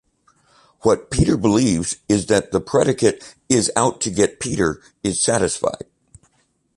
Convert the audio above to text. What Peter believes is that the predicate 'is out to get Peter' is satisfied.